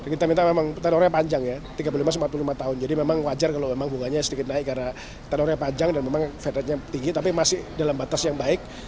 kita minta memang tenornya panjang ya tiga puluh lima empat puluh lima tahun jadi memang wajar kalau memang bunganya sedikit naik karena tenornya panjang dan memang fede ratenya tinggi tapi masih dalam batas yang baik